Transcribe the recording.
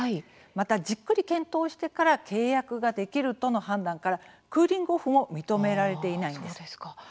また、じっくり検討してから契約ができるとの判断からクーリング・オフも認められていないんです。